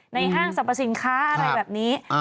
ห้างสรรพสินค้าอะไรแบบนี้